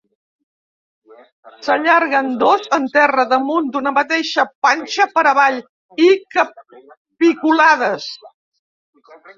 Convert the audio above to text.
S’allarguen dos en terra damunt d’una manta panxa per avall i capiculades.